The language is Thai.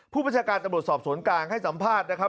ประชาการตำรวจสอบสวนกลางให้สัมภาษณ์นะครับ